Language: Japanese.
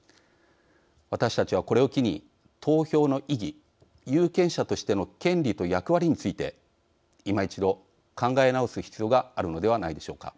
私たちは、これを機に投票の意義、有権者としての権利と役割についていま一度、考え直す必要があるのではないでしょうか。